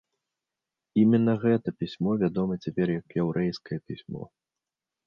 Іменна гэта пісьмо вядома цяпер як яўрэйскае пісьмо.